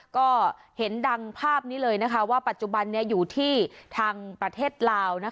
ก็เห็นดังภาพนี้เลยว่าปัจจุบันนี้อยู่ที่ทางประเทศลาว